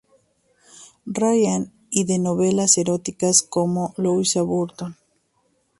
Ryan y de novelas eróticas como Louisa Burton.